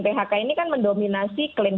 phk ini kan mendominasi klaim